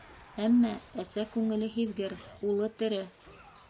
Әммә әсә күңеле һиҙгер: улы тере.